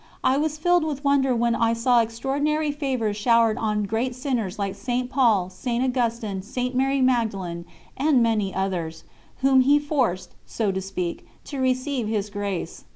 I was filled with wonder when I saw extraordinary favours showered on great sinners like St. Paul, St. Augustine, St. Mary Magdalen, and many others, whom He forced, so to speak, to receive His grace.